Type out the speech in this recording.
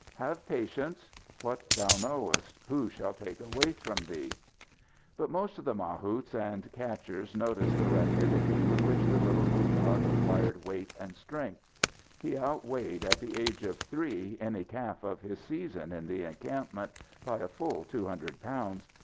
Have patience what thou knowest, who shall take away from thee?" But most of the mahouts and catchers noticed the rapidity with which the little Muztagh acquired weight and strength. He outweighed, at the age of three, any calf of his season in the encampment by a full two hundred pounds.